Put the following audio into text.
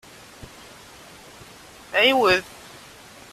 Ɛiwed!